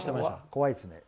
怖いですね。